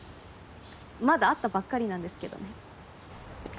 まだ会ったばっかりなんですけどね。